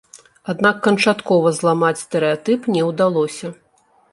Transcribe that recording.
Аднак канчаткова зламаць стэрэатып не ўдалося.